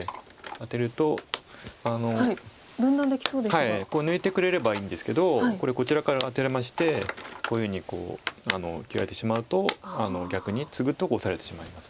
はい抜いてくれればいいんですけどこれこちらからアテられましてこういうふうに切られてしまうと逆にツグとオサれてしまいますので。